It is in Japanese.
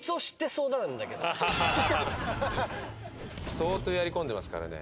相当やりこんでますからね。